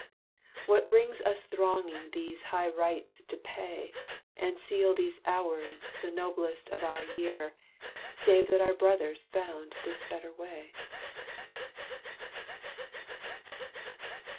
What brings us thronging these high rites to pay, And seal these hours the noblest of our year, Save that our brothers found this better way?